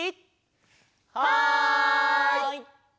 はい！